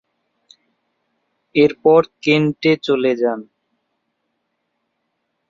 এরপর কেন্টে চলে যান।